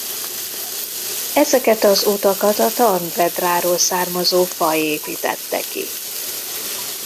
Ezeket az utakat a Tarn-Vedráról származó faj építette ki.